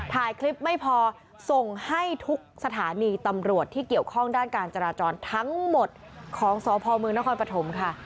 ถ่ายคลิปไม่พอส่งให้ทุกสถานีตำรวจที่เกี่ยวข้องด้านการจราจรทั้งหมดของสพมนครปฐมค่ะ